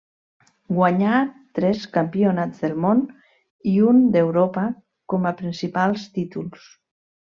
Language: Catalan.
Guanyà tres campionats del Món i un d'Europa com a principals títols.